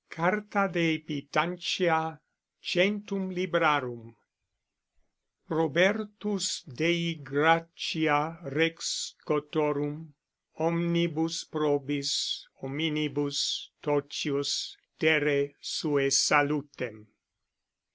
Carta de Pitancia Centum Librarum. Robertus Dei gracia Rex Scottorum omnibus probis hominibus tocius terre sue Salutem.